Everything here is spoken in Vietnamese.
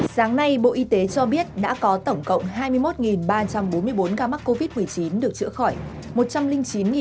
sáng nay bộ y tế cho biết đã có tổng cộng hai mươi một ba trăm bốn mươi bốn ca mắc covid một mươi chín được chữa khỏi